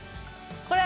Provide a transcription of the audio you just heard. これ。